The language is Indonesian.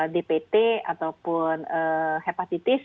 dpt ataupun hepatitis